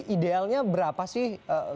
idealnya berapa sih